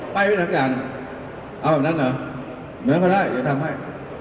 ไปไว้ทางการเอาแบบนั้นเหรอเหมือนกันได้อย่าทำให้